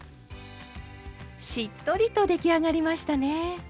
しっとりと出来上がりましたね。